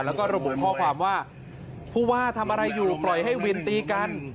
แล้วก็ระบุข้อความว่าผู้ว่าทำอะไรอยู่ปล่อยให้วินตีกัน